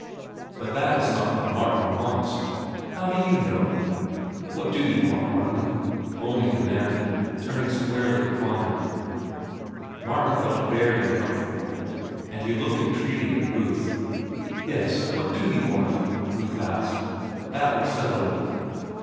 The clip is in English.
"But that is not what Martin wants." "How do you know?" "What do you want, Martin?" Olney demanded, turning squarely upon him. Martin felt very uncomfortable, and looked entreaty at Ruth. "Yes, what do you want?" Ruth asked. "That will settle it."